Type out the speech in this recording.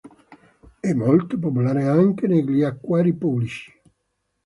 È molto popolare anche negli acquari pubblici.